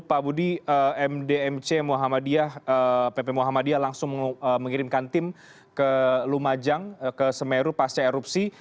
pak budi mdmc muhammadiyah langsung mengirimkan tim ke lumajang ke semeru pasca erupsi